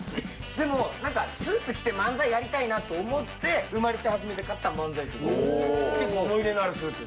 でも、なんかスーツ着て漫才やりたいなと思って、生まれて初めて買った漫才スーツ。